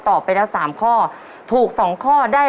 ตัวเลือกที่สองวนทางซ้าย